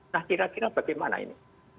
nah kira kira bagaimana ini